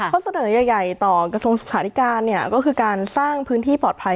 ข้อเสนอใหญ่ต่อกระทรวงศึกษาธิการเนี่ยก็คือการสร้างพื้นที่ปลอดภัย